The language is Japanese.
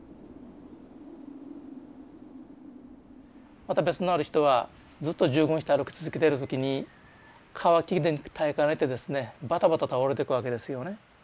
また別のある人はずっと従軍して歩き続けてる時に渇きで耐えかねてですねバタバタ倒れてくわけですよね。